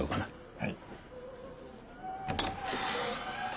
はい。